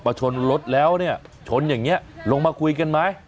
พอชนรถแล้วเนี่ยชนอย่างนี้ลงมาคุยกันไหม